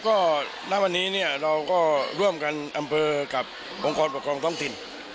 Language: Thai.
ครับก็ณวันนี้เราก็ร่วมกันอำเภอกับองค์ควรประกรองต้องทิน